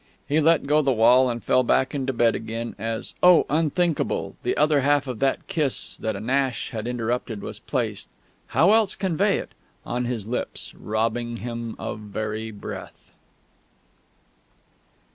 He let go the wall and fell back into bed again as oh, unthinkable! the other half of that kiss that a gnash had interrupted was placed (how else convey it?) on his lips, robbing him of very breath....